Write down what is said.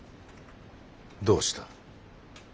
どうした。